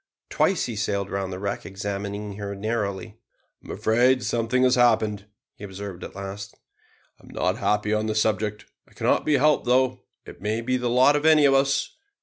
Twice he sailed round the wreck, examining her narrowly. "I am afraid something has happened," he observed at last; "I am not happy on the subject. It cannot be helped though. It may be the lot of any of us.